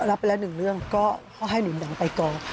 รับไปแล้วหนึ่งเรื่องก็ให้หนูหนังไปกอง